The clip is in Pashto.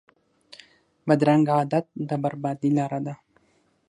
بدرنګه عادت د بربادۍ لاره ده